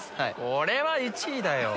これは１位だよ。